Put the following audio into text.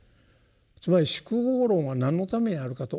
つまり「宿業論」は何のためにあるかと。